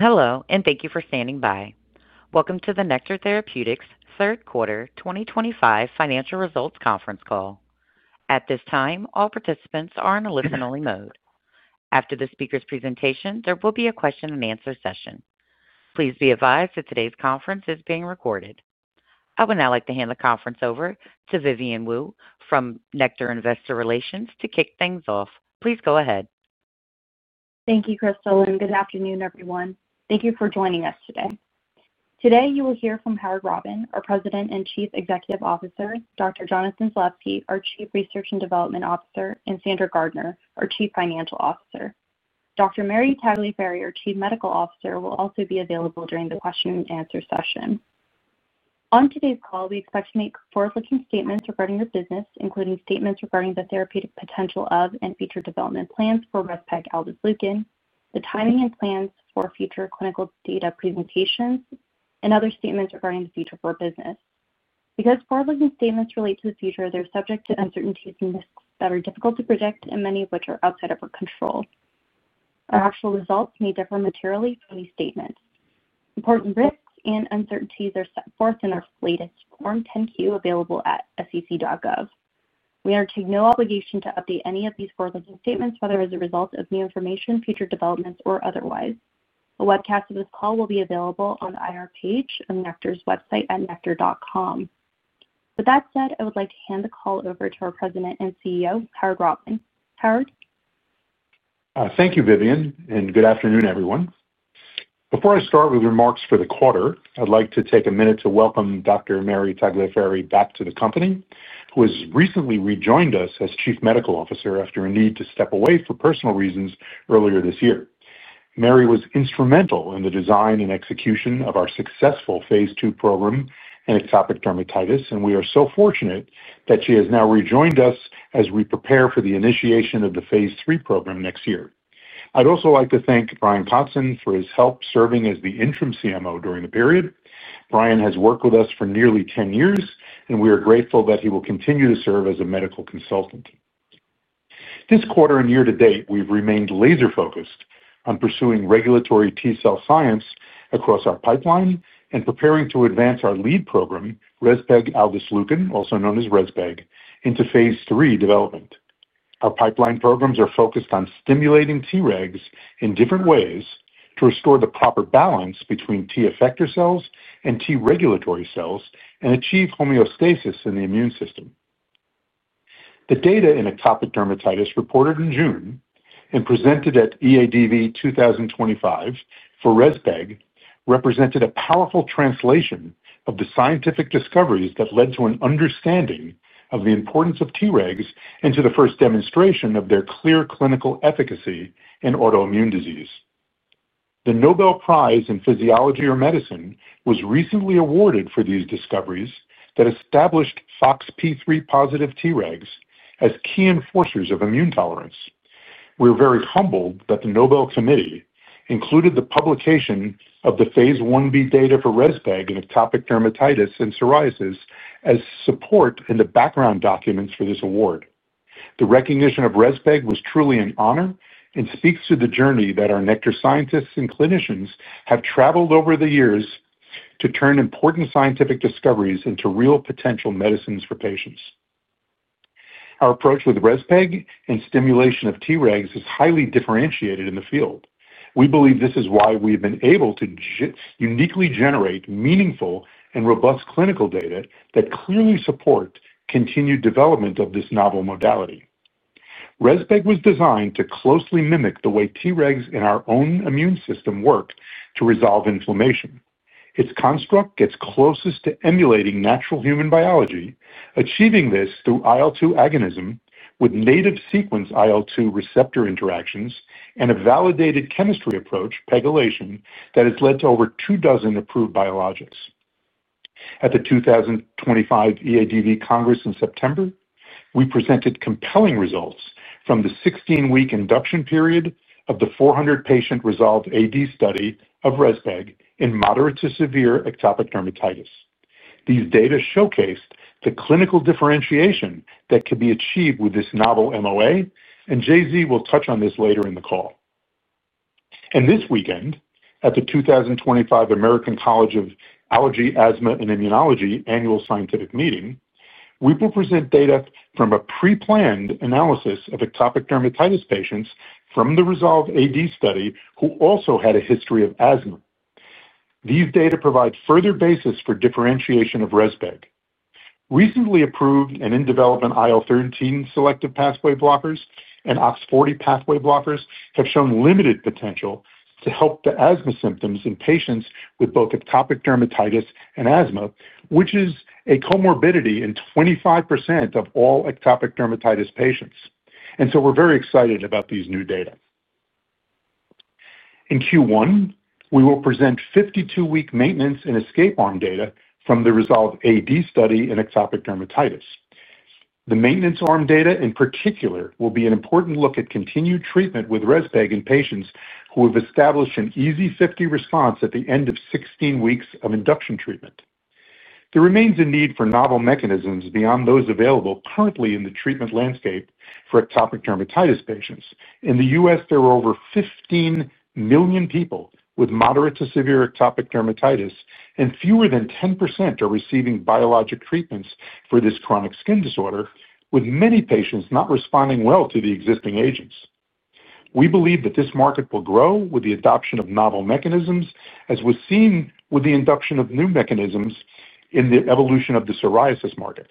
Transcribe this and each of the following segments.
Hello, and thank you for standing by. Welcome to the Nektar Therapeutics third quarter 2025 financial results conference call. At this time, all participants are in a listen-only mode. After the speaker's presentation, there will be a question-and-answer session. Please be advised that today's conference is being recorded. I would now like to hand the conference over to Vivian Wu from Nektar Investor Relations. To kick things off, please go ahead. Thank you, Crystal, and good afternoon, everyone. Thank you for joining us today. Today, you will hear from Howard Robin, our President and Chief Executive Officer; Dr. Jonathan Zalevsky, our Chief Research and Development Officer; and Sandra Gardiner, our Chief Financial Officer. Dr. Mary Tagliaferri, our Chief Medical Officer, will also be available during the question-and-answer session. On today's call, we expect to make forward-looking statements regarding the business, including statements regarding the therapeutic potential of and future development plans for REZPEG, the timing and plans for future clinical data presentations, and other statements regarding the future of our business. Because forward-looking statements relate to the future, they're subject to uncertainties and risks that are difficult to predict, and many of which are outside of our control. Our actual results may differ materially from these statements. Important risks and uncertainties are set forth in our latest Form 10-Q, available at sec.gov. We undertake no obligation to update any of these forward-looking statements, whether as a result of new information, future developments, or otherwise. A webcast of this call will be available on the IR page on Nektar's website at nektar.com. With that said, I would like to hand the call over to our President and CEO, Howard Robin. Howard? Thank you, Vivian, and good afternoon, everyone. Before I start with remarks for the quarter, I'd like to take a minute to welcome Dr. Mary Tagliaferri back to the company, who has recently rejoined us as Chief Medical Officer after a need to step away for personal reasons earlier this year. Mary was instrumental in the design and execution of our successful phase II program for atopic dermatitis, and we are so fortunate that she has now rejoined us as we prepare for the initiation of the phase III program next year. I'd also like to thank Brian Kotzin for his help serving as the interim CMO during the period. Brian has worked with us for nearly 10 years, and we are grateful that he will continue to serve as a medical consultant. This quarter and year to date, we've remained laser-focused on pursuing regulatory T cell science across our pipeline and preparing to advance our lead program, rezpegaldesleukin, also known as REZPEG, into phase III development. Our pipeline programs are focused on stimulating T regs in different ways to restore the proper balance between T effector cells and T regulatory cells and achieve homeostasis in the immune system. The data in atopic dermatitis reported in June and presented at EADV 2025 for REZPEG represented a powerful translation of the scientific discoveries that led to an understanding of the importance of T regs and to the first demonstration of their clear clinical efficacy in autoimmune disease. The Nobel Prize in Physiology or Medicine was recently awarded for these discoveries that established FOXP3-positive T regs as key enforcers of immune tolerance. We're very humbled that the Nobel Committee included the publication of the phase 1b data for REZPEG in atopic dermatitis and psoriasis as support in the background documents for this award. The recognition of REZPEG was truly an honor and speaks to the journey that our Nektar scientists and clinicians have traveled over the years to turn important scientific discoveries into real potential medicines for patients. Our approach with REZPEG and stimulation of T regs is highly differentiated in the field. We believe this is why we've been able to uniquely generate meaningful and robust clinical data that clearly support continued development of this novel modality. REZPEG was designed to closely mimic the way T regs in our own immune system work to resolve inflammation. Its construct gets closest to emulating natural human biology, achieving this through IL-2 agonism with native sequence IL-2 receptor interactions and a validated chemistry approach, pegylation, that has led to over two dozen approved biologics. At the 2025 EADV Congress in September, we presented compelling results from the 16-week induction period of the 400-patient resolved AD study of REZPEG in moderate to severe atopic dermatitis. These data showcased the clinical differentiation that could be achieved with this novel MOA, and JZ will touch on this later in the call. This weekend, at the 2025 American College of Allergy, Asthma, and Immunology annual scientific meeting, we will present data from a pre-planned analysis of atopic dermatitis patients from the resolved AD study who also had a history of asthma. These data provide further basis for differentiation of REZPEG. Recently approved and in development IL-13 selective pathway blockers and OX-40 pathway blockers have shown limited potential to help the asthma symptoms in patients with both atopic dermatitis and asthma, which is a comorbidity in 25% of all atopic dermatitis patients. We're very excited about these new data. In Q1, we will present 52-week maintenance and escape arm data from the resolved AD study in atopic dermatitis. The maintenance arm data in particular will be an important look at continued treatment with REZPEG in patients who have established an EASI-50 response at the end of 16 weeks of induction treatment. There remains a need for novel mechanisms beyond those available currently in the treatment landscape for atopic dermatitis patients. In the U.S., there are over 15 million people with moderate to severe atopic dermatitis, and fewer than 10% are receiving biologic treatments for this chronic skin disorder, with many patients not responding well to the existing agents. We believe that this market will grow with the adoption of novel mechanisms, as was seen with the induction of new mechanisms in the evolution of the psoriasis market.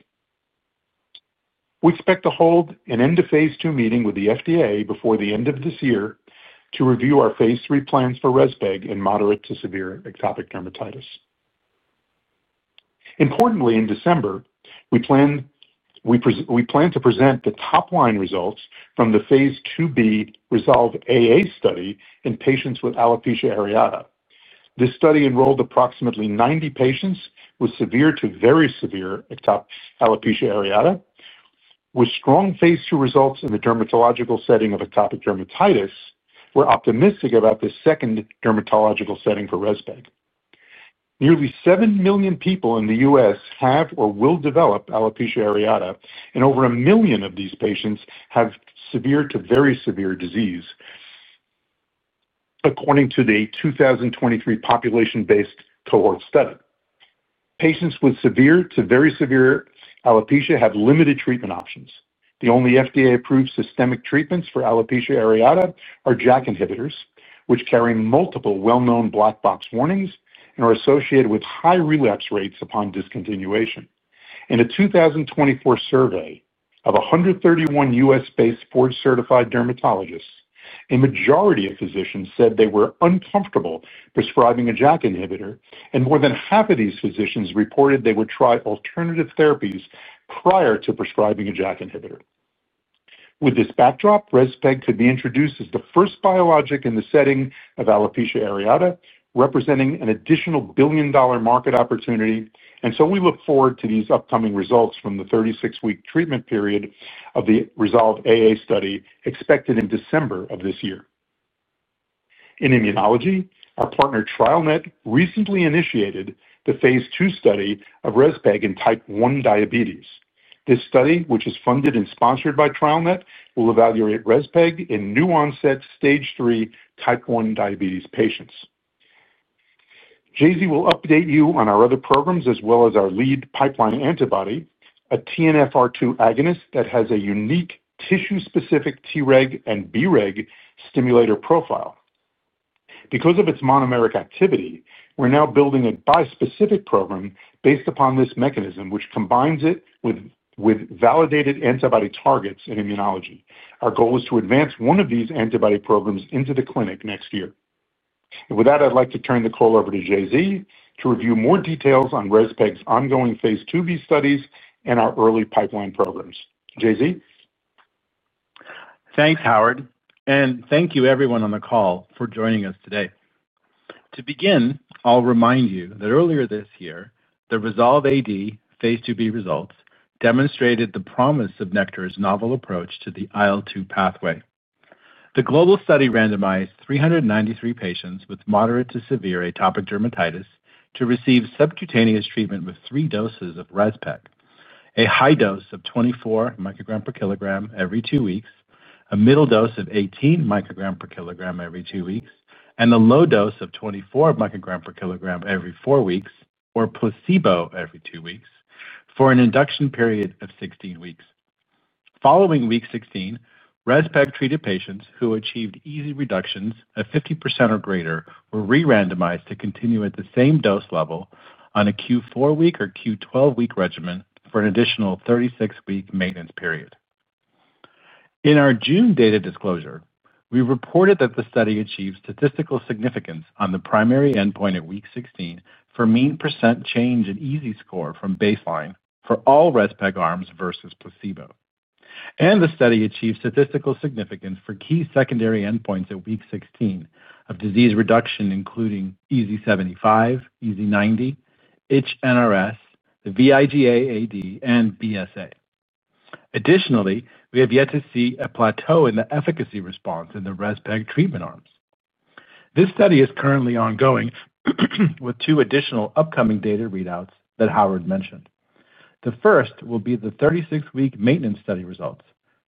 We expect to hold an end-of-phase II meeting with the FDA before the end of this year to review our phase III plans for REZPEG in moderate to severe atopic dermatitis. Importantly, in December, we plan to present the top-line results from the phase IIb resolved AA study in patients with alopecia areata. This study enrolled approximately 90 patients with severe to very severe alopecia areata. With strong phase II results in the dermatological setting of atopic dermatitis, we're optimistic about the second dermatological setting for REZPEG. Nearly 7 million people in the U.S. have or will develop alopecia areata, and over 1 million of these patients have severe to very severe disease, according to the 2023 population-based cohort study. Patients with severe to very severe alopecia have limited treatment options. The only FDA-approved systemic treatments for alopecia areata are JAK inhibitors, which carry multiple well-known black box warnings and are associated with high relapse rates upon discontinuation. In a 2024 survey of 131 U.S.-based board-certified dermatologists, a majority of physicians said they were uncomfortable prescribing a JAK inhibitor, and more than half of these physicians reported they would try alternative therapies prior to prescribing a JAK inhibitor. With this backdrop, REZPEG could be introduced as the first biologic in the setting of alopecia areata, representing an additional billion-dollar market opportunity, and we look forward to these upcoming results from the 36-week treatment period of the resolved AA study expected in December of this year. In immunology, our partner TrialNet recently initiated the phase II study of REZPEG in type 1 diabetes. This study, which is funded and sponsored by TrialNet, will evaluate REZPEG in new-onset stage 3 type 1 diabetes patients. JZ will update you on our other programs, as well as our lead pipeline antibody, a TNF-R2 agonist that has a unique tissue-specific T reg and B reg stimulator profile. Because of its monomeric activity, we're now building a bispecific program based upon this mechanism, which combines it with validated antibody targets in immunology. Our goal is to advance one of these antibody programs into the clinic next year. With that, I'd like to turn the call over to JZ to review more details on REZPEG's ongoing phase IIb studies and our early pipeline programs. JZ? Thanks, Howard, and thank you, everyone on the call, for joining us today. To begin, I'll remind you that earlier this year, the resolved AD phase IIb results demonstrated the promise of Nektar's novel approach to the IL-2 pathway. The global study randomized 393 patients with moderate to severe atopic dermatitis to receive subcutaneous treatment with three doses of REZPEG: a high dose of 24 micrograms per kilogram every two weeks, a middle dose of 18 micrograms per kilogram every two weeks, and a low dose of 24 micrograms per kilogram every four weeks, or placebo every two weeks, for an induction period of 16 weeks. Following week 16, REZPEG-treated patients who achieved EASI reductions of 50% or greater were re-randomized to continue at the same dose level on a Q4-week or Q12-week regimen for an additional 36-week maintenance period. In our June data disclosure, we reported that the study achieved statistical significance on the primary endpoint at week 16 for mean percent change in EASI score from baseline for all REZPEG arms versus placebo. The study achieved statistical significance for key secondary endpoints at week 16 of disease reduction, including EASI-75, EASI-90, NRS, the vIGA-AD, and BSA. Additionally, we have yet to see a plateau in the efficacy response in the REZPEG treatment arms. This study is currently ongoing with two additional upcoming data readouts that Howard mentioned. The first will be the 36-week maintenance study results,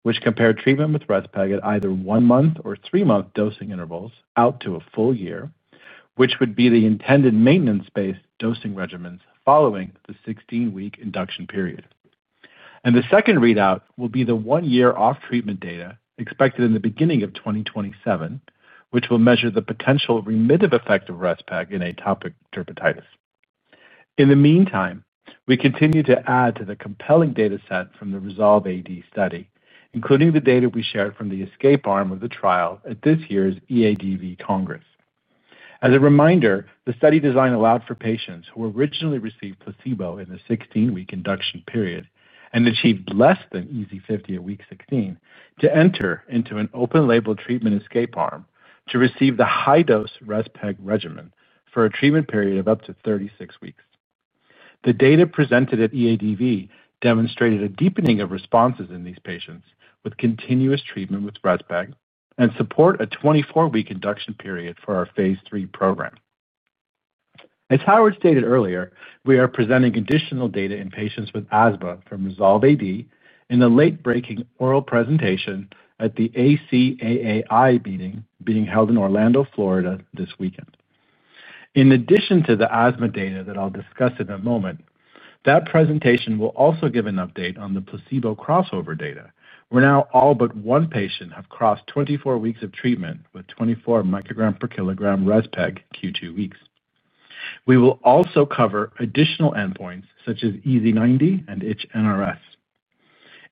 which compare treatment with REZPEG at either one-month or three-month dosing intervals out to a full year, which would be the intended maintenance-based dosing regimens following the 16-week induction period. The second readout will be the one-year off-treatment data expected in the beginning of 2027, which will measure the potential remissive effect of REZPEG in atopic dermatitis. In the meantime, we continue to add to the compelling data set from the resolved AD study, including the data we shared from the escape arm of the trial at this year's EADV Congress. As a reminder, the study design allowed for patients who originally received placebo in the 16-week induction period and achieved less than EASI-50 at week 16 to enter into an open-label treatment escape arm to receive the high-dose REZPEG regimen for a treatment period of up to 36 weeks. The data presented at EADV demonstrated a deepening of responses in these patients with continuous treatment with REZPEG and support a 24-week induction period for our phase III program. As Howard stated earlier, we are presenting additional data in patients with asthma from resolved AD in the late-breaking oral presentation at the ACAAI meeting being held in Orlando, Florida, this weekend. In addition to the asthma data that I'll discuss in a moment, that presentation will also give an update on the placebo crossover data. We're now all but one patient have crossed 24 weeks of treatment with 24 micrograms per kilogram REZPEG Q2 weeks. We will also cover additional endpoints such as EASI-90 and NRS.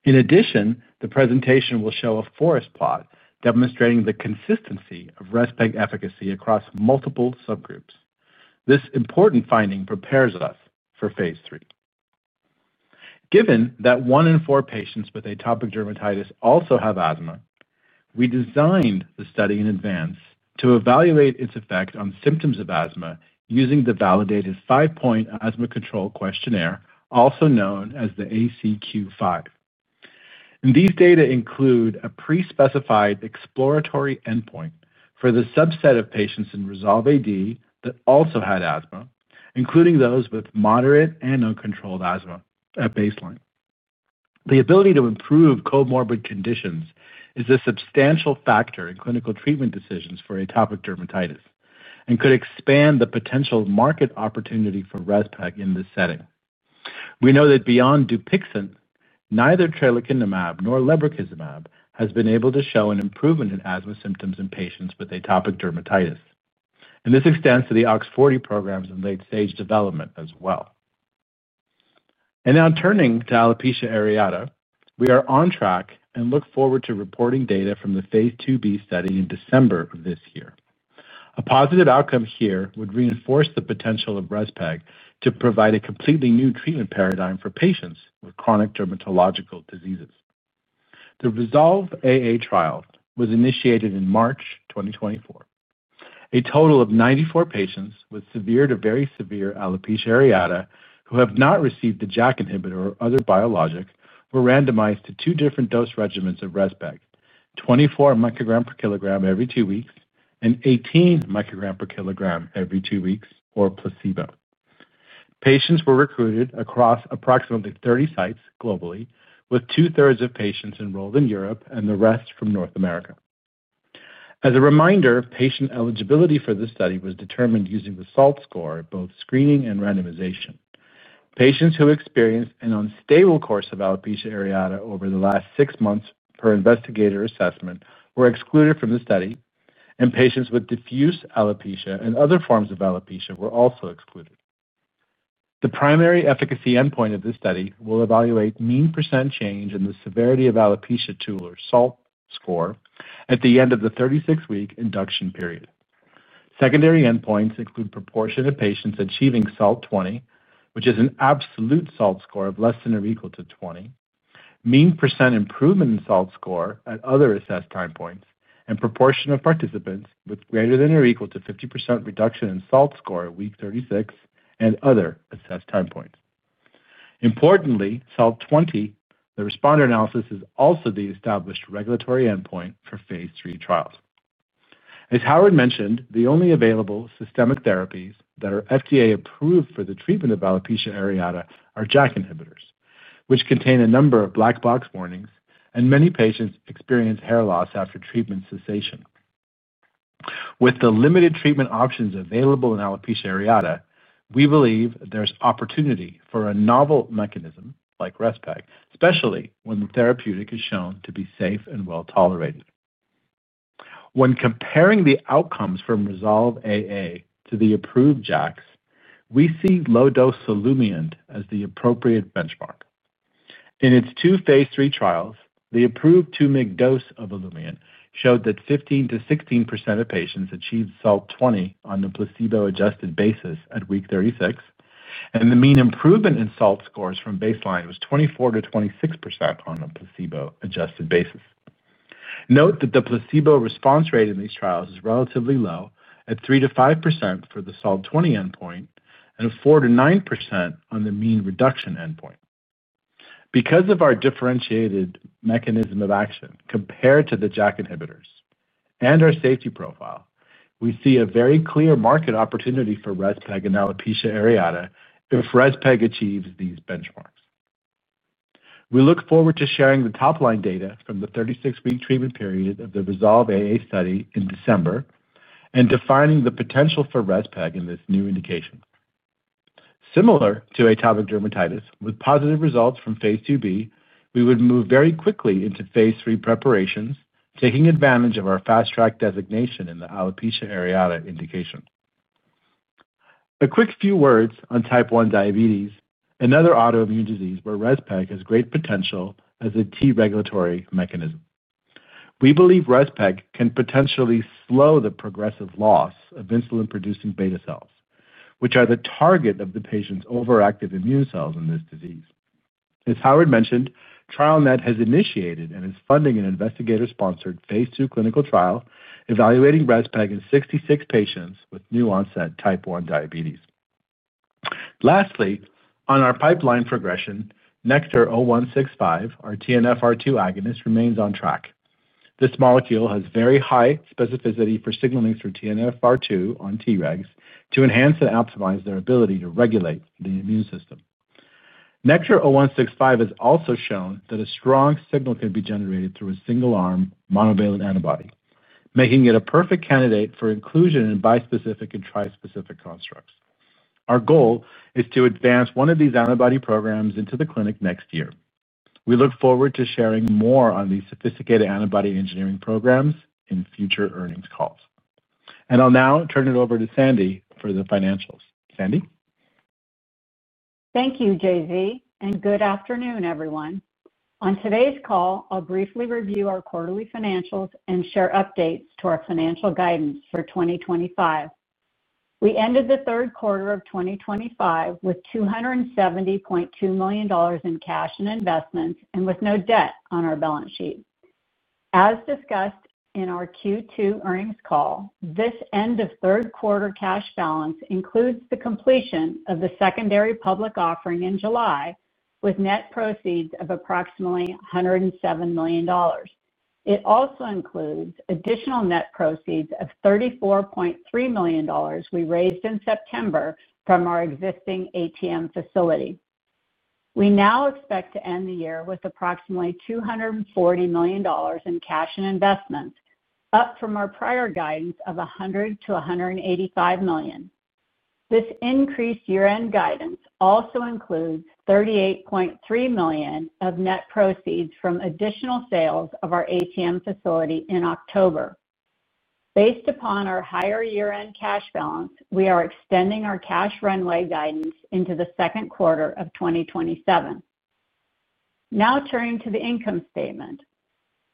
In addition, the presentation will show a forest plot demonstrating the consistency of REZPEG efficacy across multiple subgroups. This important finding prepares us for phase III. Given that one in four patients with atopic dermatitis also have asthma, we designed the study in advance to evaluate its effect on symptoms of asthma using the validated five-point Asthma Control Questionnaire, also known as the ACQ-5. These data include a pre-specified exploratory endpoint for the subset of patients in resolved AD that also had asthma, including those with moderate and uncontrolled asthma at baseline. The ability to improve comorbid conditions is a substantial factor in clinical treatment decisions for atopic dermatitis and could expand the potential market opportunity for REZPEG in this setting. We know that beyond Dupixent, neither tralokinumab nor lebrikizumab has been able to show an improvement in asthma symptoms in patients with atopic dermatitis. This extends to the OX-40 programs in late-stage development as well. Now turning to alopecia areata, we are on track and look forward to reporting data from the phase IIb study in December of this year. A positive outcome here would reinforce the potential of REZPEG to provide a completely new treatment paradigm for patients with chronic dermatological diseases. The resolved AA trial was initiated in March 2024. A total of 94 patients with severe to very severe alopecia areata who have not received a JAK inhibitor or other biologic were randomized to two different dose regimens of REZPEG, 24 micrograms per kilogram every two weeks and 18 micrograms per kilogram every two weeks, or placebo. Patients were recruited across approximately 30 sites globally, with two-thirds of patients enrolled in Europe and the rest from North America. As a reminder, patient eligibility for this study was determined using the SALT score at both screening and randomization. Patients who experienced an unstable course of alopecia areata over the last six months, per investigator assessment, were excluded from the study, and patients with diffuse alopecia and other forms of alopecia were also excluded. The primary efficacy endpoint of this study will evaluate mean percent change in the Severity of Alopecia Tool or SALT score at the end of the 36-week induction period. Secondary endpoints include proportion of patients achieving SALT 20, which is an absolute SALT score of less than or equal to 20, mean percent improvement in SALT score at other assessed time points, and proportion of participants with greater than or equal to 50% reduction in SALT score at week 36 and other assessed time points. Importantly, SALT 20, the responder analysis, is also the established regulatory endpoint for phase III trials. As Howard mentioned, the only available systemic therapies that are FDA-approved for the treatment of alopecia areata are JAK inhibitors, which contain a number of black box warnings, and many patients experience hair loss after treatment cessation. With the limited treatment options available in alopecia areata, we believe there's opportunity for a novel mechanism like REZPEG, especially when the therapeutic is shown to be safe and well tolerated. When comparing the outcomes from resolved AA to the approved JAKs, we see low-dose Olumiant as the appropriate benchmark. In its two phase III trials, the approved two-week dose of Olumiant showed that 15%-16% of patients achieved SALT 20 on the placebo-adjusted basis at week 36, and the mean improvement in SALT scores from baseline was 24%-26% on a placebo-adjusted basis. Note that the placebo response rate in these trials is relatively low, at 3%-5% for the SALT-20 endpoint and 4%-9% on the mean reduction endpoint. Because of our differentiated mechanism of action compared to the JAK inhibitors and our safety profile, we see a very clear market opportunity for REZPEG in alopecia areata if REZPEG achieves these benchmarks. We look forward to sharing the top-line data from the 36-week treatment period of the resolved AA study in December. Defining the potential for REZPEG in this new indication. Similar to atopic dermatitis, with positive results from phase IIb, we would move very quickly into phase III preparations, taking advantage of our fast-track designation in the alopecia areata indication. A quick few words on type 1 diabetes, another autoimmune disease where REZPEG has great potential as a T regulatory mechanism. We believe REZPEG can potentially slow the progressive loss of insulin-producing beta cells, which are the target of the patient's overactive immune cells in this disease. As Howard mentioned, TrialNet has initiated and is funding an investigator-sponsored phase II clinical trial evaluating REZPEG in 66 patients with new-onset type 1 diabetes. Lastly, on our pipeline progression, Nektar 0165, our TNF-R2 agonist, remains on track. This molecule has very high specificity for signaling through TNF-R2 on T regs to enhance and optimize their ability to regulate the immune system. Nektar 0165 has also shown that a strong signal can be generated through a single-arm monovalent antibody, making it a perfect candidate for inclusion in bispecific and trispecific constructs. Our goal is to advance one of these antibody programs into the clinic next year. We look forward to sharing more on these sophisticated antibody engineering programs in future earnings calls. I'll now turn it over to Sandy for the financials. Sandy? Thank you, JZ. Good afternoon, everyone. On today's call, I'll briefly review our quarterly financials and share updates to our financial guidance for 2025. We ended the third quarter of 2025 with $270.2 million in cash and investments and with no debt on our balance sheet. As discussed in our Q2 earnings call, this end-of-third-quarter cash balance includes the completion of the secondary public offering in July with net proceeds of approximately $107 million. It also includes additional net proceeds of $34.3 million we raised in September from our existing ATM facility. We now expect to end the year with approximately $240 million in cash and investments, up from our prior guidance of $100 million-$185 million. This increased year-end guidance also includes $38.3 million of net proceeds from additional sales of our ATM facility in October. Based upon our higher year-end cash balance, we are extending our cash runway guidance into the second quarter of 2027. Now turning to the income statement.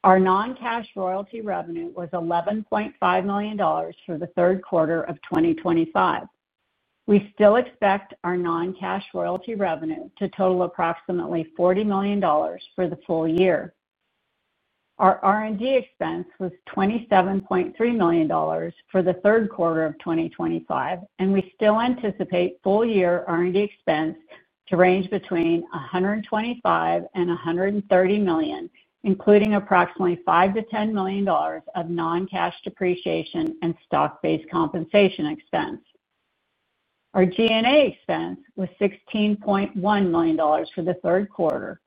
Our non-cash royalty revenue was $11.5 million for the third quarter of 2025. We still expect our non-cash royalty revenue to total approximately $40 million for the full year. Our R&D expense was $27.3 million for the third quarter of 2025, and we still anticipate full-year R&D expense to range between $125 million-$130 million, including approximately $5 million-$10 million of non-cash depreciation and stock-based compensation expense. Our G&A expense was $16.1 million for the third quarter.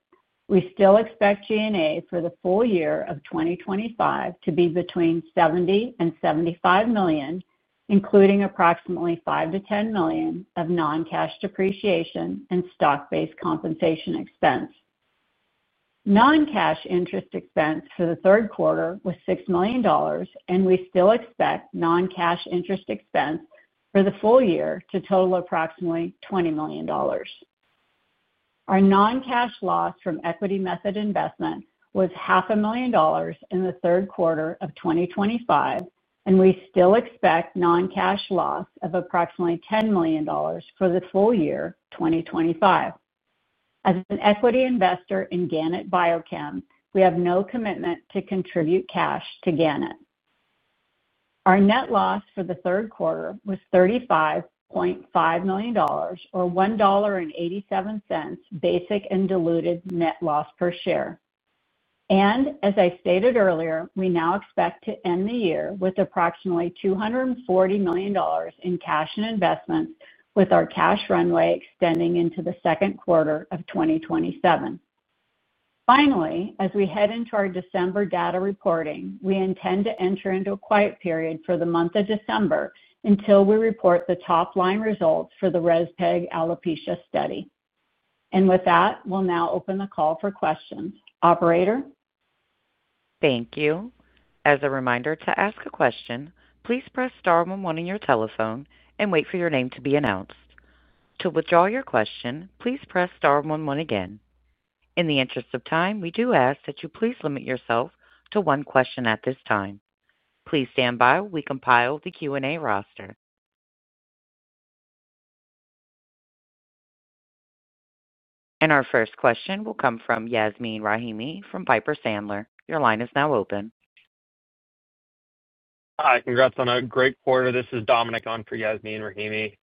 We still expect G&A for the full year of 2025 to be between $70 million-$75 million, including approximately $5 million-$10 million of non-cash depreciation and stock-based compensation expense. Non-cash interest expense for the third quarter was $6 million, and we still expect non-cash interest expense for the full year to total approximately $20 million. Our non-cash loss from equity method investment was $500,000 in the third quarter of 2025, and we still expect non-cash loss of approximately $10 million for the full year 2025. As an equity investor in Ginkgo Bioworks, we have no commitment to contribute cash to Ginkgo. Our net loss for the third quarter was $35.5 million, or $1.87 basic and diluted net loss per share. As I stated earlier, we now expect to end the year with approximately $240 million in cash and investments, with our cash runway extending into the second quarter of 2027. Finally, as we head into our December data reporting, we intend to enter into a quiet period for the month of December until we report the top-line results for the REZPEG alopecia study. With that, we'll now open the call for questions. Operator? Thank you. As a reminder to ask a question, please press star one one on your telephone and wait for your name to be announced. To withdraw your question, please press star one one again. In the interest of time, we do ask that you please limit yourself to one question at this time. Please stand by while we compile the Q&A roster. Our first question will come from Yasmeen Rahimi from Piper Sandler. Your line is now open. Hi. Congrats on a great quarter. This is Dominic on for Yasmeen Rahimi.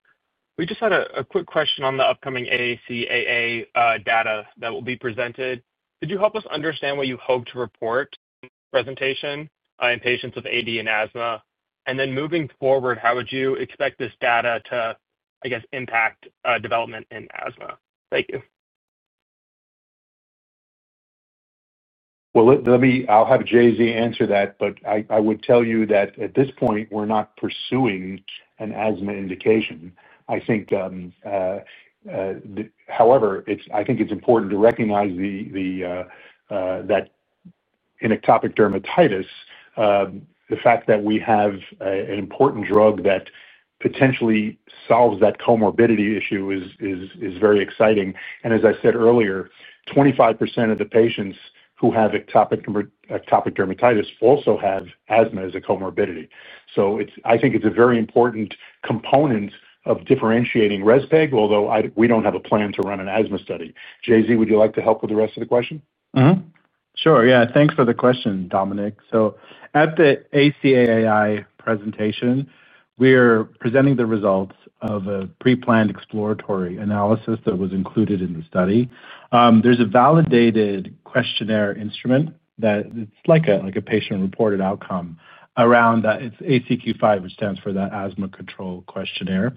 We just had a quick question on the upcoming ACAAI data that will be presented. Could you help us understand what you hope to report in the presentation on patients with AD and asthma? Moving forward, how would you expect this data to, I guess, impact development in asthma? Thank you. Let me—I'll have JZ answer that, but I would tell you that at this point, we're not pursuing an asthma indication. I think. However, I think it's important to recognize that in atopic dermatitis, the fact that we have an important drug that potentially solves that comorbidity issue is very exciting. As I said earlier, 25% of the patients who have atopic dermatitis also have asthma as a comorbidity. I think it's a very important component of differentiating REZPEG, although we don't have a plan to run an asthma study. JZ, would you like to help with the rest of the question? Sure. Yeah. Thanks for the question, Dominic. At the ACAAI presentation, we are presenting the results of a pre-planned exploratory analysis that was included in the study. There is a validated questionnaire instrument that—it's like a patient-reported outcome—around ACQ-5, which stands for the Asthma Control Questionnaire.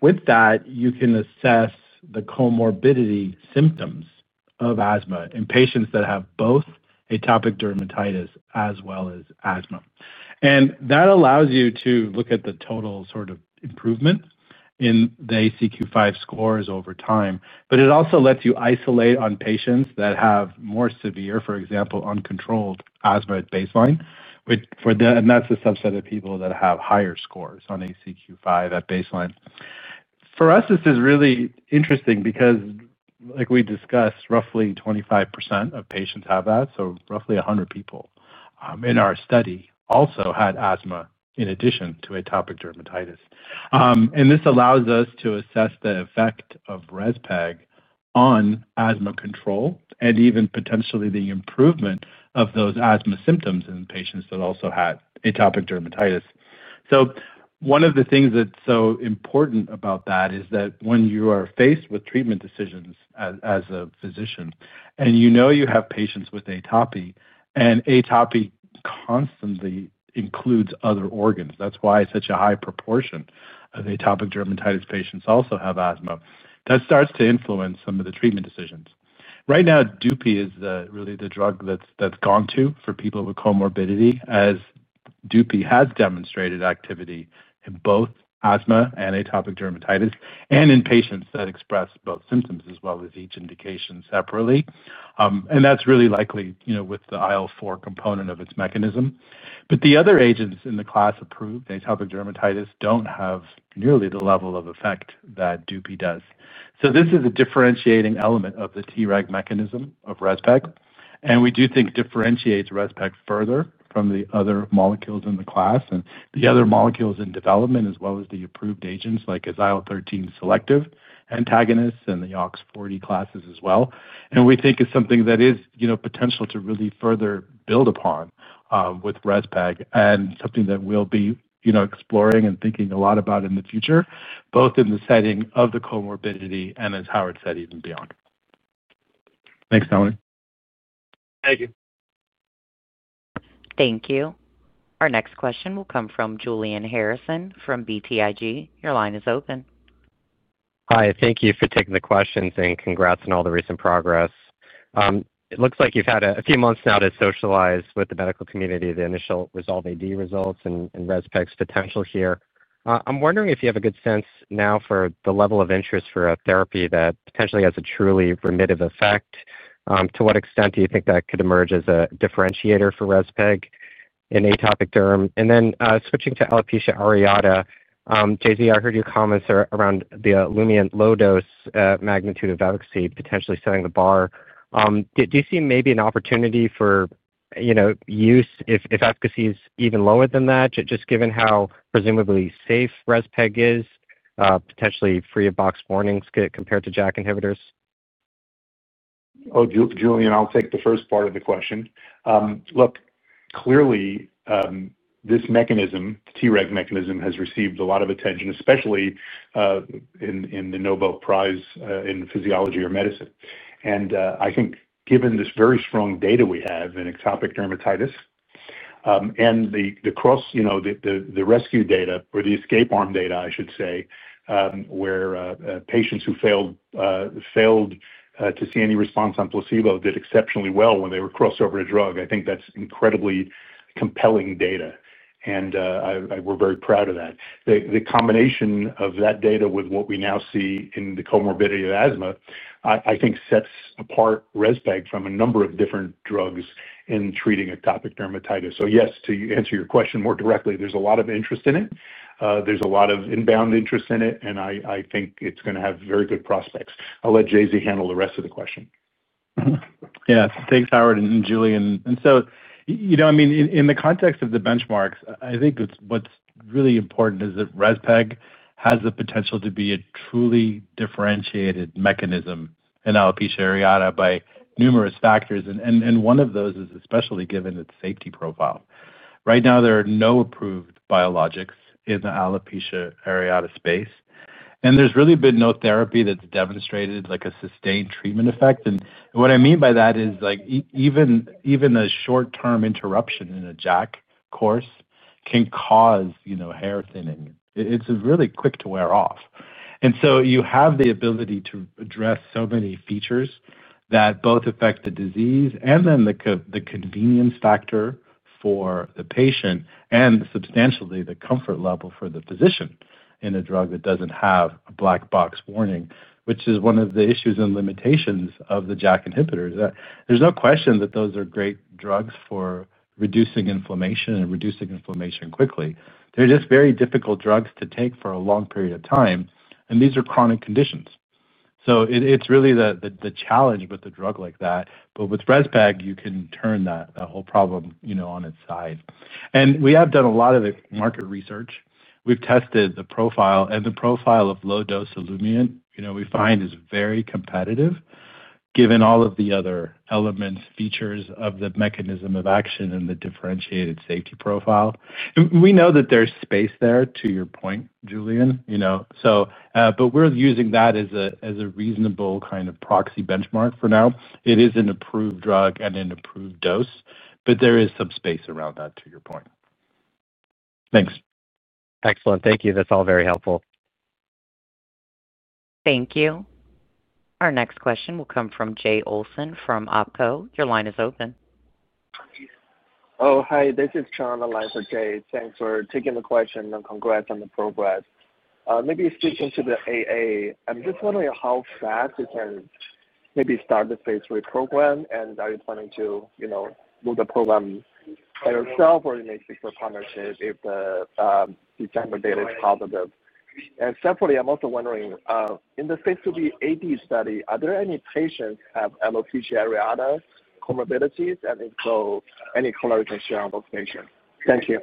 With that, you can assess the comorbidity symptoms of asthma in patients that have both atopic dermatitis as well as asthma. That allows you to look at the total sort of improvement in the ACQ-5 scores over time. It also lets you isolate on patients that have more severe, for example, uncontrolled asthma at baseline. That is the subset of people that have higher scores on ACQ-5 at baseline. For us, this is really interesting because, like we discussed, roughly 25% of patients have that. Roughly 100 people in our study also had asthma in addition to atopic dermatitis. This allows us to assess the effect of REZPEG on asthma control and even potentially the improvement of those asthma symptoms in patients that also had atopic dermatitis. One of the things that's so important about that is that when you are faced with treatment decisions as a physician and you know you have patients with atopy, and atopy constantly includes other organs—that's why such a high proportion of atopic dermatitis patients also have asthma—that starts to influence some of the treatment decisions. Right now, Dupixent is really the drug that's gone to for people with comorbidity, as Dupixent has demonstrated activity in both asthma and atopic dermatitis and in patients that express both symptoms as well as each indication separately. That's really likely with the IL-4 component of its mechanism. The other agents in the class approved for atopic dermatitis do not have nearly the level of effect that Dupixent does. This is a differentiating element of the T reg mechanism of REZPEG. We do think it differentiates REZPEG further from the other molecules in the class and the other molecules in development, as well as the approved agents like IL-13 selective antagonists and the OX-40 classes as well. We think it is something that has potential to really further build upon with REZPEG and something that we will be exploring and thinking a lot about in the future, both in the setting of the comorbidity and, as Howard said, even beyond. Thanks, Dominic. Thank you. Thank you. Our next question will come from Julian Harrison from BTIG. Your line is open. Hi. Thank you for taking the questions and congrats on all the recent progress. It looks like you've had a few months now to socialize with the medical community, the initial resolved AD results, and REZPEG's potential here. I'm wondering if you have a good sense now for the level of interest for a therapy that potentially has a truly remissive effect. To what extent do you think that could emerge as a differentiator for REZPEG in atopic derm? Switching to alopecia areata, JZ, I heard your comments around the Olumiant low-dose magnitude of efficacy potentially setting the bar. Do you see maybe an opportunity for use if efficacy is even lower than that, just given how presumably safe REZPEG is, potentially free of box warnings compared to JAK inhibitors? Oh, Julian, I'll take the first part of the question. Look, clearly, this mechanism, the T reg mechanism, has received a lot of attention, especially in the Nobel Prize in Physiology or Medicine. I think given this very strong data we have in atopic dermatitis, and the rescue data, or the escape arm data, I should say, where patients who failed to see any response on placebo did exceptionally well when they were crossed over to drug, I think that's incredibly compelling data. We're very proud of that. The combination of that data with what we now see in the comorbidity of asthma, I think, sets apart REZPEG from a number of different drugs in treating atopic dermatitis. Yes, to answer your question more directly, there's a lot of interest in it. There's a lot of inbound interest in it, and I think it's going to have very good prospects. I'll let JZ handle the rest of the question. Yeah. Thanks, Howard and Julian. I mean, in the context of the benchmarks, I think what's really important is that REZPEG has the potential to be a truly differentiated mechanism in alopecia areata by numerous factors. One of those is especially given its safety profile. Right now, there are no approved biologics in the alopecia areata space. There's really been no therapy that's demonstrated a sustained treatment effect. What I mean by that is even a short-term interruption in a JAK course can cause hair thinning. It's really quick to wear off. You have the ability to address so many features that both affect the disease and then the convenience factor for the patient and substantially the comfort level for the physician in a drug that does not have a black box warning, which is one of the issues and limitations of the JAK inhibitors. There is no question that those are great drugs for reducing inflammation and reducing inflammation quickly. They are just very difficult drugs to take for a long period of time. These are chronic conditions. It is really the challenge with a drug like that. With REZPEG, you can turn that whole problem on its side. We have done a lot of the market research. We have tested the profile. The profile of low-dose Olumiant, we find, is very competitive given all of the other elements, features of the mechanism of action, and the differentiated safety profile. We know that there's space there, to your point, Julian. We're using that as a reasonable kind of proxy benchmark for now. It is an approved drug and an approved dose, but there is some space around that, to your point. Thanks. Excellent. Thank you. That's all very helpful. Thank you. Our next question will come from Jay Olson from Oppenheimer & Co. Your line is open. Oh, hi. This is John Eliza Jay. Thanks for taking the question and congrats on the progress. Maybe speaking to the AA, I'm just wondering how fast you can maybe start the phase three program, and are you planning to move the program by yourself or you may seek a partnership if the December data is positive. Separately, I'm also wondering, in the phase three AD study, are there any patients who have alopecia areata comorbidities? If so, any clarification on those patients? Thank you.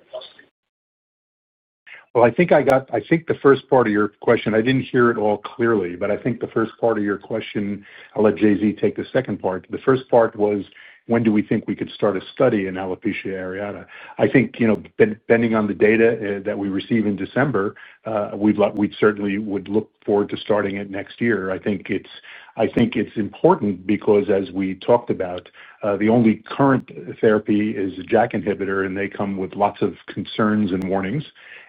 I think I got—I think the first part of your question—I did not hear it all clearly, but I think the first part of your question—I'll let JZ take the second part. The first part was, when do we think we could start a study in alopecia areata? I think, depending on the data that we receive in December, we certainly would look forward to starting it next year. I think it is important because, as we talked about, the only current therapy is a JAK inhibitor, and they come with lots of concerns and warnings.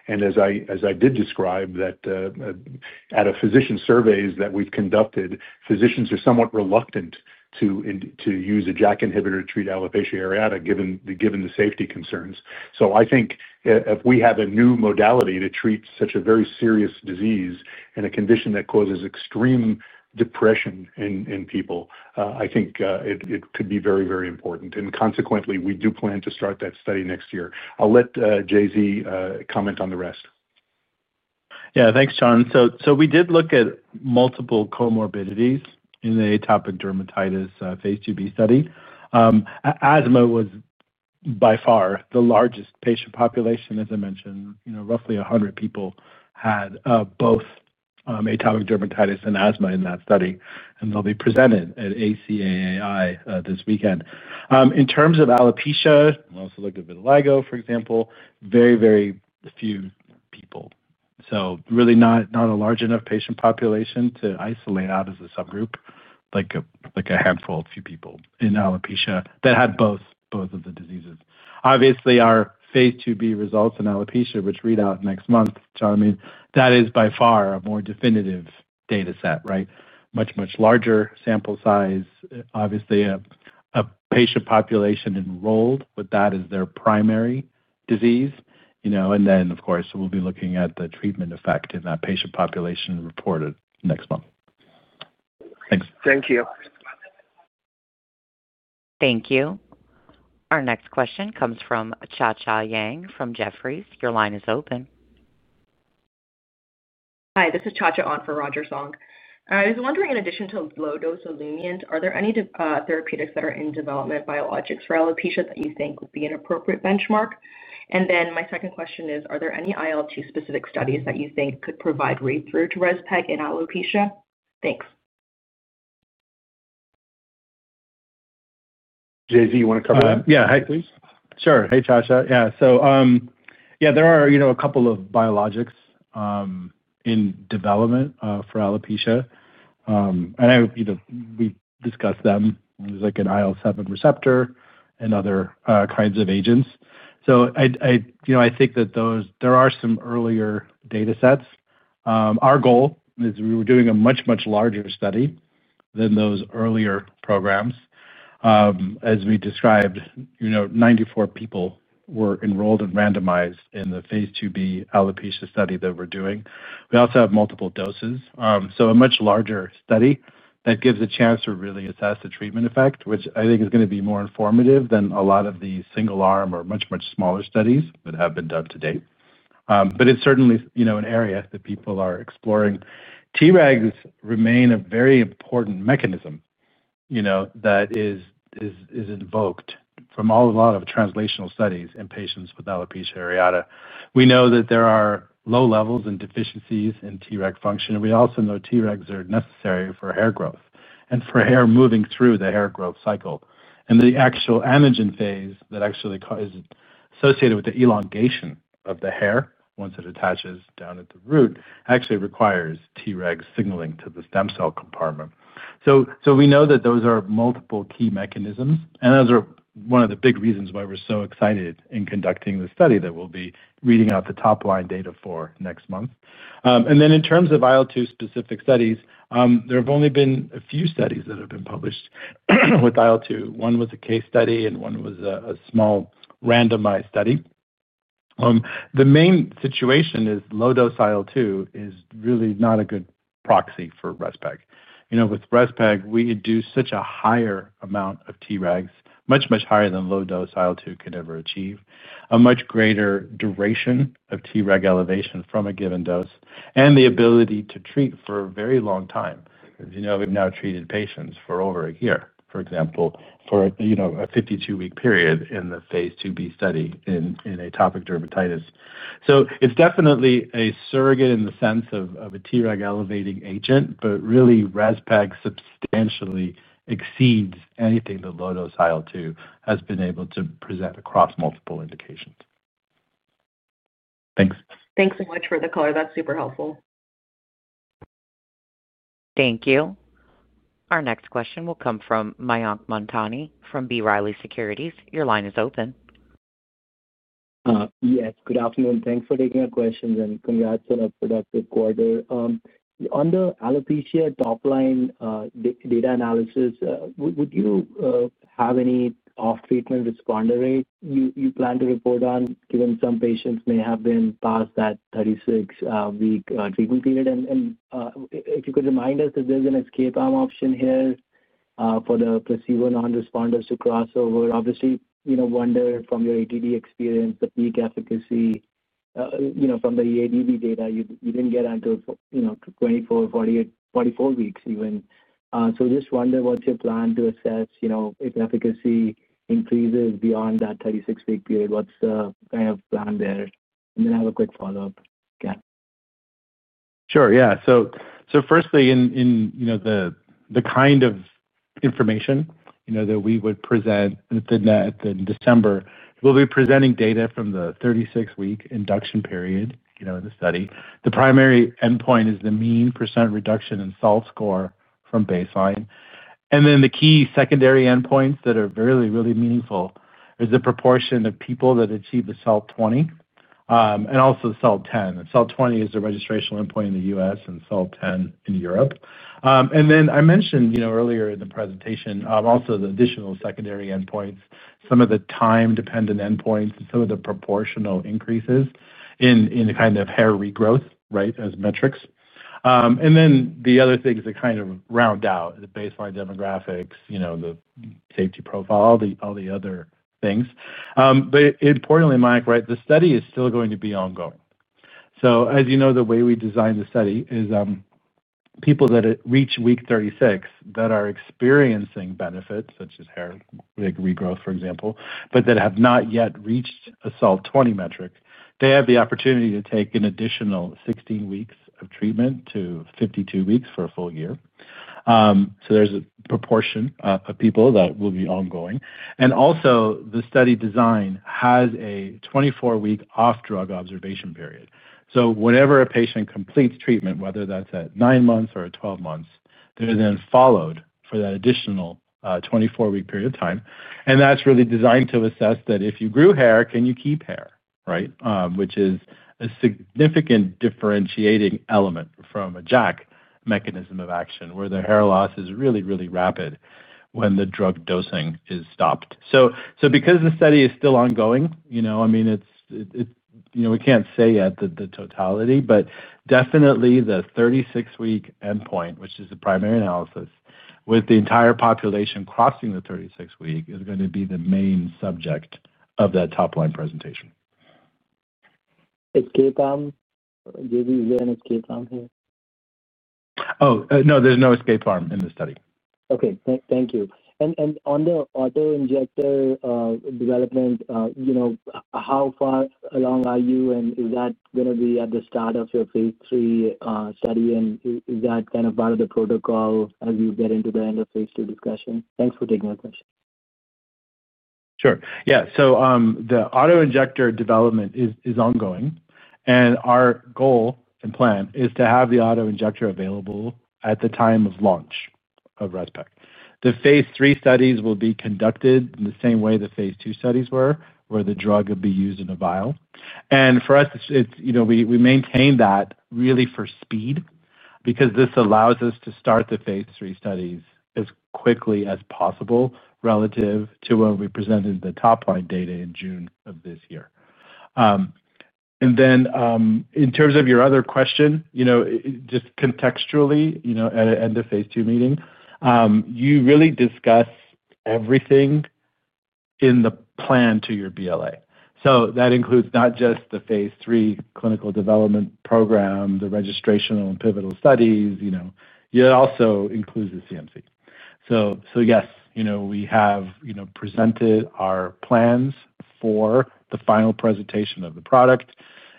As I did describe, at physician surveys that we have conducted, physicians are somewhat reluctant to use a JAK inhibitor to treat alopecia areata given the safety concerns. I think if we have a new modality to treat such a very serious disease and a condition that causes extreme depression in people, I think it could be very, very important. Consequently, we do plan to start that study next year. I'll let JZ comment on the rest. Yeah. Thanks, John. We did look at multiple comorbidities in the atopic dermatitis phase IIb study. Asthma was by far the largest patient population, as I mentioned. Roughly 100 people had both atopic dermatitis and asthma in that study. That will be presented at ACAAI this weekend. In terms of alopecia, we also looked at vitiligo, for example, very, very few people. Really not a large enough patient population to isolate out as a subgroup, like a handful of people in alopecia that had both of the diseases. Obviously, our phase IIb results in alopecia, which read out next month, John, I mean, that is by far a more definitive data set. Right? Much, much larger sample size, obviously a patient population enrolled with that as their primary disease. Of course, we'll be looking at the treatment effect in that patient population reported next month. Thanks. Thank you. Thank you. Our next question comes from Cha Cha Yang from Jefferies. Your line is open. Hi. This is Cha Cha Yang from Roger Song. I was wondering, in addition to low-dose Olumiant, are there any therapeutics that are in development, biologics for alopecia that you think would be an appropriate benchmark? My second question is, are there any IL-2 specific studies that you think could provide read-through to REZPEG in alopecia? Thanks. JZ, you want to cover that? Yeah. Hi, please. Sure. Hey, Cha Cha. Yeah. So. Yeah, there are a couple of biologics in development for alopecia. And we've discussed them. There's an IL-7 receptor and other kinds of agents. I think that there are some earlier data sets. Our goal is we were doing a much, much larger study than those earlier programs. As we described, 94 people were enrolled and randomized in the phase IIb alopecia study that we're doing. We also have multiple doses. So a much larger study that gives a chance to really assess the treatment effect, which I think is going to be more informative than a lot of the single-arm or much, much smaller studies that have been done to date. It's certainly an area that people are exploring. T regs remain a very important mechanism. That is. Invoked from a lot of translational studies in patients with alopecia areata. We know that there are low levels and deficiencies in T reg function. We also know T regs are necessary for hair growth and for hair moving through the hair growth cycle. The actual antigen phase that actually is associated with the elongation of the hair once it attaches down at the root actually requires T reg signaling to the stem cell compartment. We know that those are multiple key mechanisms. Those are one of the big reasons why we're so excited in conducting the study that we'll be reading out the top-line data for next month. In terms of IL-2 specific studies, there have only been a few studies that have been published. With IL-2. One was a case study, and one was a small randomized study. The main situation is low-dose IL-2 is really not a good proxy for REZPEG. With REZPEG, we induce such a higher amount of T regs, much, much higher than low-dose IL-2 could ever achieve, a much greater duration of T reg elevation from a given dose, and the ability to treat for a very long time. We have now treated patients for over a year, for example, for a 52-week period in the phase IIb study in atopic dermatitis. It is definitely a surrogate in the sense of a T reg elevating agent, but really, REZPEG substantially exceeds anything that low-dose IL-2 has been able to present across multiple indications. Thanks. Thanks so much for the call. That's super helpful. Thank you. Our next question will come from Mayank Mamtani from B. Riley Securities. Your line is open. Yes. Good afternoon. Thanks for taking our questions, and congrats on a productive quarter. On the alopecia top-line data analysis, would you have any off-treatment responder rate you plan to report on, given some patients may have been past that 36-week treatment period? If you could remind us that there's an escape arm option here for the placebo non-responders to crossover. Obviously, wonder from your atopic dermatitis experience, the peak efficacy. From the EASI data, you did not get until 24, 48, 44 weeks even. Just wonder what is your plan to assess if efficacy increases beyond that 36-week period? What is the kind of plan there? I have a quick follow-up. Yeah. Sure. Yeah. Firstly, in the kind of information that we would present. In December, we'll be presenting data from the 36-week induction period in the study. The primary endpoint is the mean percent reduction in SALT score from baseline. The key secondary endpoints that are really, really meaningful are the proportion of people that achieve the SALT 20, and also SALT 10. SALT 20 is the registration endpoint in the U.S. and SALT 10 in Europe. I mentioned earlier in the presentation also the additional secondary endpoints, some of the time-dependent endpoints, and some of the proportional increases in the kind of hair regrowth, right, as metrics. The other things that kind of round out the baseline demographics, the safety profile, all the other things. Importantly, Mayank, right, the study is still going to be ongoing. As you know, the way we designed the study is people that reach week 36 that are experiencing benefits, such as hair regrowth, for example, but that have not yet reached a SALT 20 metric, they have the opportunity to take an additional 16 weeks of treatment to 52 weeks for a full year. There is a proportion of people that will be ongoing. Also, the study design has a 24-week off-drug observation period. Whenever a patient completes treatment, whether that is at 9 months or 12 months, they are then followed for that additional 24-week period of time. That is really designed to assess that if you grew hair, can you keep hair, right, which is a significant differentiating element from a JAK mechanism of action where the hair loss is really, really rapid when the drug dosing is stopped. Because the study is still ongoing, I mean. We can't say yet the totality, but definitely the 36-week endpoint, which is the primary analysis with the entire population crossing the 36-week, is going to be the main subject of that top-line presentation. Escape arm? JZ, you said an escape arm here? Oh, no, there's no escape arm in the study. Okay. Thank you. On the autoinjector development, how far along are you? Is that going to be at the start of your phase III study? Is that kind of part of the protocol as you get into the end of phase II discussion? Thanks for taking the question. Sure. Yeah. The autoinjector development is ongoing. Our goal and plan is to have the autoinjector available at the time of launch of REZPEG. The phase III studies will be conducted in the same way the phase II studies were, where the drug would be used in a vial. For us, we maintain that really for speed because this allows us to start the phase III studies as quickly as possible relative to when we presented the top-line data in June of this year. In terms of your other question, just contextually, at the end of phase II meeting, you really discuss everything in the plan to your BLA. That includes not just the phase III clinical development program, the registrational and pivotal studies. It also includes the CMC. Yes, we have presented our plans for the final presentation of the product,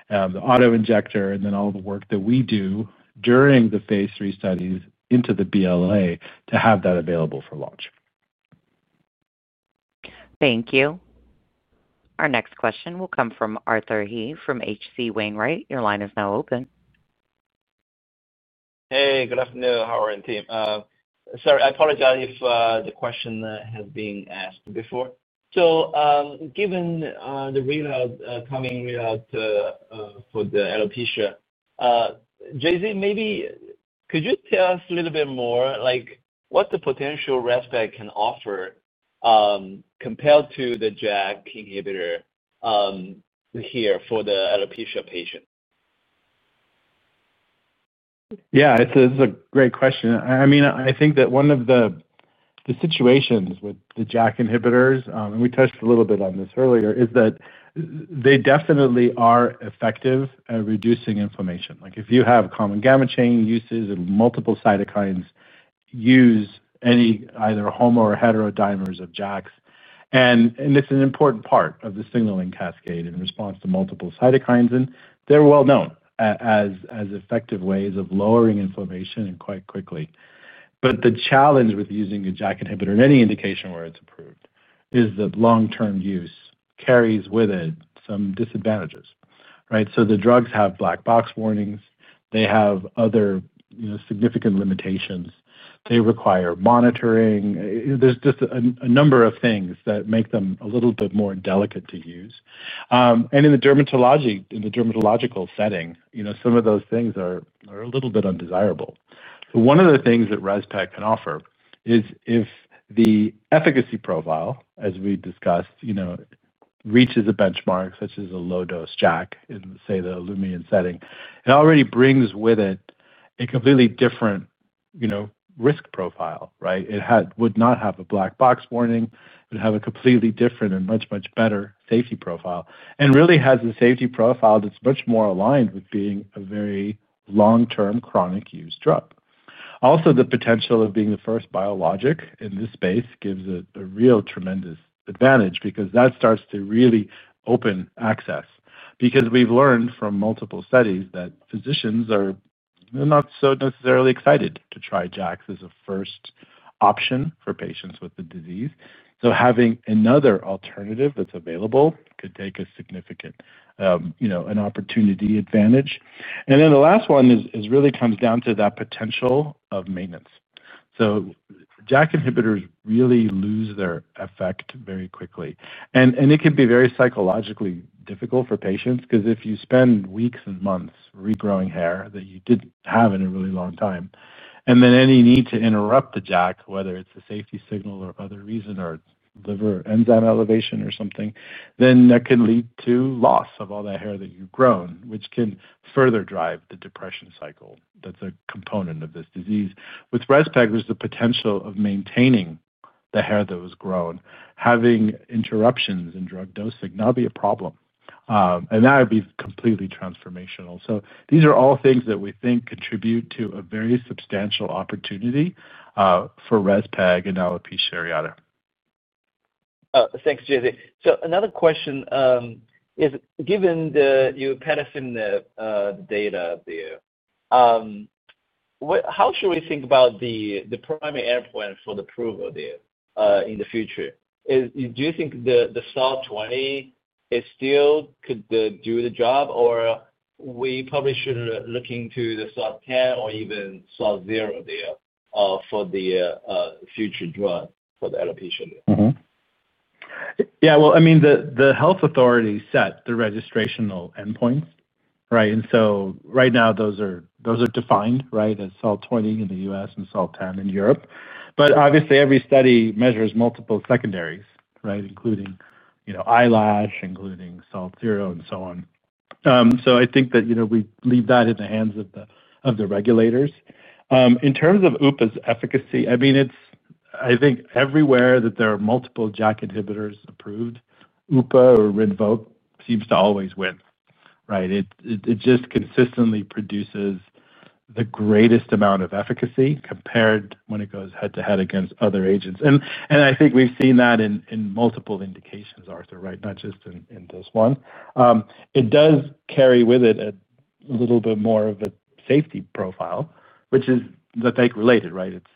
the autoinjector, and then all the work that we do during the phase III studies into the BLA to have that available for launch. Thank you. Our next question will come from Arthur He from H.C. Wainwright. Your line is now open. Hey, good afternoon. How are you and team? Sorry, I apologize if the question has been asked before. Given the coming readout for the alopecia, JZ, maybe could you tell us a little bit more what the potential REZPEG can offer compared to the JAK inhibitor here for the alopecia patient? Yeah, it's a great question. I mean, I think that one of the situations with the JAK inhibitors, and we touched a little bit on this earlier, is that they definitely are effective at reducing inflammation. If you have common gamma chain uses and multiple cytokines use any either homo or heterodimers of JAKs, and it's an important part of the signaling cascade in response to multiple cytokines, and they're well known as effective ways of lowering inflammation quite quickly. The challenge with using a JAK inhibitor in any indication where it's approved is that long-term use carries with it some disadvantages, right? The drugs have black box warnings. They have other significant limitations. They require monitoring. There's just a number of things that make them a little bit more delicate to use. In the dermatological setting, some of those things are a little bit undesirable. One of the things that REZPEG can offer is if the efficacy profile, as we discussed, reaches a benchmark such as a low-dose JAK in, say, the Olumiant setting, it already brings with it a completely different risk profile, right? It would not have a black box warning. It would have a completely different and much, much better safety profile and really has a safety profile that's much more aligned with being a very long-term chronic use drug. Also, the potential of being the first biologic in this space gives it a real tremendous advantage because that starts to really open access because we've learned from multiple studies that physicians are not so necessarily excited to try JAKs as a first option for patients with the disease. Having another alternative that's available could take a significant opportunity advantage. The last one really comes down to that potential of maintenance. JAK inhibitors really lose their effect very quickly. It can be very psychologically difficult for patients because if you spend weeks and months regrowing hair that you did not have in a really long time, and then any need to interrupt the JAK, whether it is a safety signal or other reason or liver enzyme elevation or something, that can lead to loss of all that hair that you have grown, which can further drive the depression cycle that is a component of this disease. With REZPEG, there is the potential of maintaining the hair that was grown, having interruptions in drug dosing not be a problem. That would be completely transformational. These are all things that we think contribute to a very substantial opportunity for REZPEG in alopecia areata. Thanks, JZ. Another question. Given that you've passed in the data there, how should we think about the primary endpoint for the approval there in the future? Do you think the SALT 20 is still doing the job, or we probably should look into the SALT 10 or even SALT 0 there for the future drug for the alopecia? Yeah. I mean, the health authority set the registrational endpoints, right? Right now, those are defined as SALT 20 in the U.S. and SALT 10 in Europe. Obviously, every study measures multiple secondaries, including eyelash, including SALT 0, and so on. I think that we leave that in the hands of the regulators. In terms of OOPA's efficacy, I think everywhere that there are multiple JAK inhibitors approved, OOPA or Rinvoq seems to always win, right? It just consistently produces the greatest amount of efficacy compared when it goes head-to-head against other agents. I think we've seen that in multiple indications, Arthur, not just in this one. It does carry with it a little bit more of a safety profile, which is the fake related, right? It's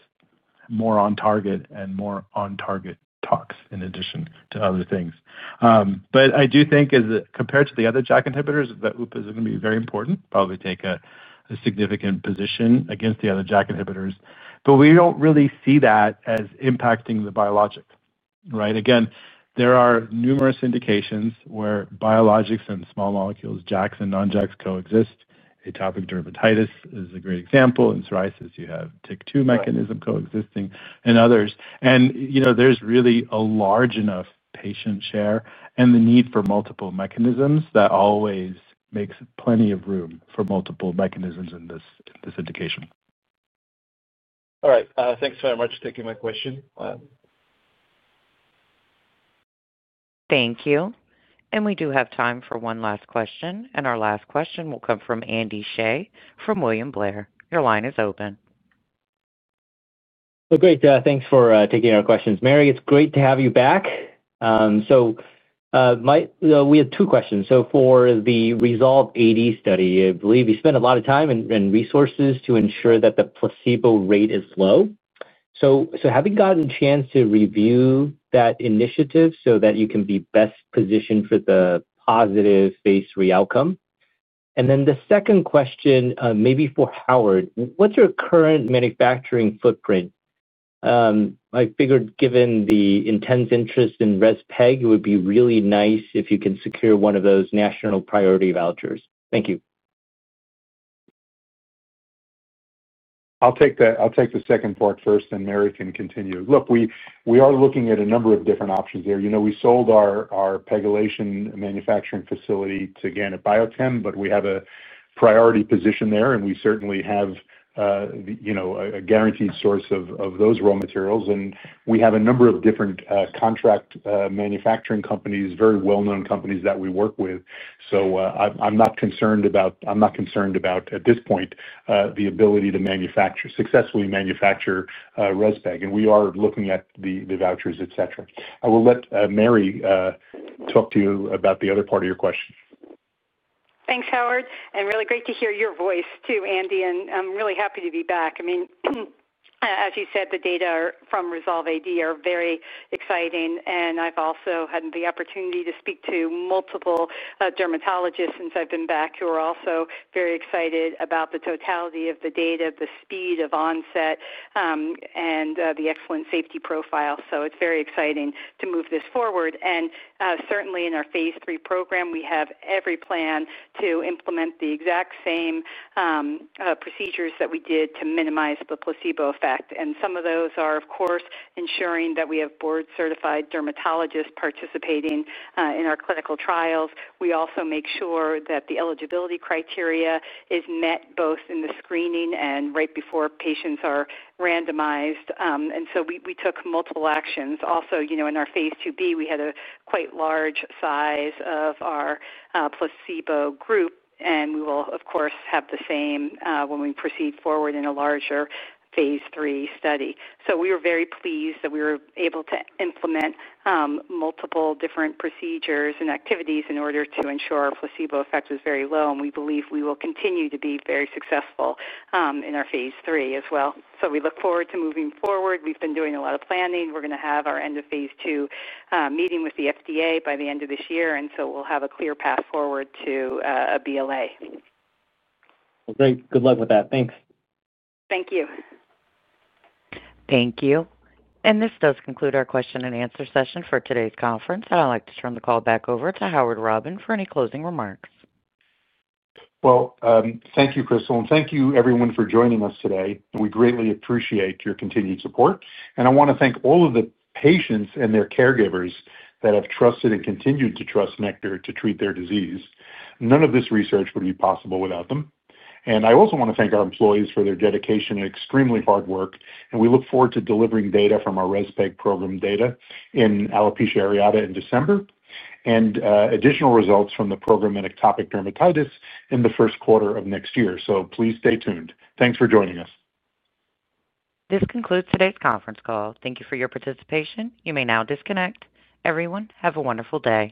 more on target and more on-target tox in addition to other things. I do think, compared to the other JAK inhibitors, that OOPA is going to be very important, probably take a significant position against the other JAK inhibitors. We don't really see that as impacting the biologic, right? Again, there are numerous indications where biologics and small molecules, JAKs and non-JAKs coexist. Atopic dermatitis is a great example. In psoriasis, you have Tyk2 mechanism coexisting and others. There's really a large enough patient share and the need for multiple mechanisms that always makes plenty of room for multiple mechanisms in this indication. All right. Thanks very much for taking my question. Thank you. We do have time for one last question. Our last question will come from Andy Shea from William Blair. Your line is open. Great. Thanks for taking our questions. Mary, it's great to have you back. We have two questions. For the Resolve AD study, I believe you spent a lot of time and resources to ensure that the placebo rate is low. Have you gotten a chance to review that initiative so that you can be best positioned for the positive phase III outcome? The second question, maybe for Howard, what's your current manufacturing footprint? I figured given the intense interest in REZPEG, it would be really nice if you can secure one of those national priority vouchers. Thank you. I'll take the second part first, and Mary can continue. Look, we are looking at a number of different options there. We sold our pegylation manufacturing facility to Ganna Biochem, but we have a priority position there, and we certainly have a guaranteed source of those raw materials. We have a number of different contract manufacturing companies, very well-known companies that we work with. I am not concerned about, at this point, the ability to successfully manufacture REZPEG. We are looking at the vouchers, etc. I will let Mary talk to you about the other part of your question. Thanks, Howard. Really great to hear your voice too, Andy. I'm really happy to be back. I mean, as you said, the data from Resolve AD are very exciting. I've also had the opportunity to speak to multiple dermatologists since I've been back who are also very excited about the totality of the data, the speed of onset, and the excellent safety profile. It is very exciting to move this forward. Certainly, in our phase three program, we have every plan to implement the exact same procedures that we did to minimize the placebo effect. Some of those are, of course, ensuring that we have board-certified dermatologists participating in our clinical trials. We also make sure that the eligibility criteria is met both in the screening and right before patients are randomized. We took multiple actions. Also, in our phase IIb, we had a quite large size of our placebo group, and we will, of course, have the same when we proceed forward in a larger phase III study. We were very pleased that we were able to implement multiple different procedures and activities in order to ensure our placebo effect was very low. We believe we will continue to be very successful in our phase III as well. We look forward to moving forward. We've been doing a lot of planning. We're going to have our end of phase II meeting with the FDA by the end of this year. We will have a clear path forward to a BLA. Great. Good luck with that. Thanks. Thank you. Thank you. This does conclude our question and answer session for today's conference. I'd like to turn the call back over to Howard Robin for any closing remarks. Thank you, Crystal. Thank you, everyone, for joining us today. We greatly appreciate your continued support. I want to thank all of the patients and their caregivers that have trusted and continue to trust Nektar to treat their disease. None of this research would be possible without them. I also want to thank our employees for their dedication and extremely hard work. We look forward to delivering data from our REZPEG program in alopecia areata in December and additional results from the program in atopic dermatitis in the first quarter of next year. Please stay tuned. Thanks for joining us. This concludes today's conference call. Thank you for your participation. You may now disconnect. Everyone, have a wonderful day.